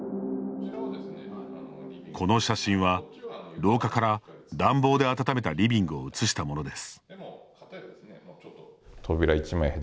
この写真は、廊下から暖房で暖めたリビングを写したものです。